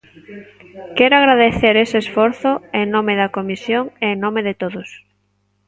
Quero agradecer ese esforzo en nome da Comisión e en nome de todos.